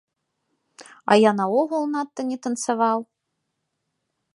А я наогул надта не танцаваў.